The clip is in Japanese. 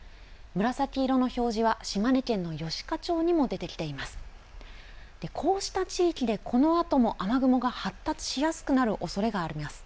紫色の表示は島根県の吉賀町にも出てきています。